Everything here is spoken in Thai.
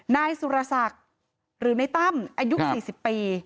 นายสุรศักดิ์หรือในตั้มอายุ๔๐ปี